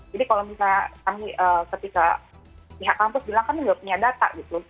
jadi kalau misalnya kami ketika pihak kampus bilang kan enggak punya data gitu